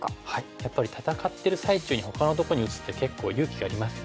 やっぱり戦ってる最中にほかのとこに打つって結構勇気がいりますよね。